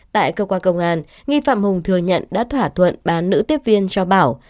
tại cơ quan công an nghi phạm hùng thừa nhận đã thỏa thuận bán nữ tiếp viên cho bảo